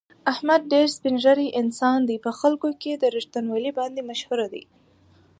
احمد ډېر سپین زړی انسان دی، په خلکو کې په رښتینولي باندې مشهور دی.